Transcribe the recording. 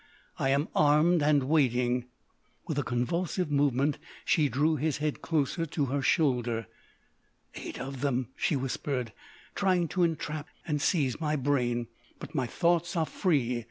I am armed and waiting!" With a convulsive movement she drew his head closer to her shoulder. "Eight of them!" she whispered,—"trying to entrap and seize my brain. But my thoughts are free!